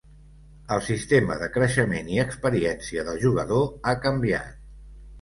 El "Sistema de creixement i experiència del jugador" ha canviat.